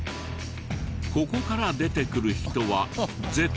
ここから出てくる人は絶対に。